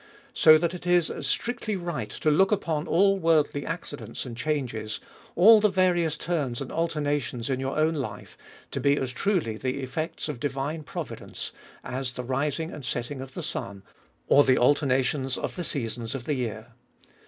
So that it is as strictly right to look upon all worldly accidents and changes, all the various turns and alterations in your own life, to be as truly the effects of divine Providence, as the rising and setting of the sun, or the alterations of the seasons of the year.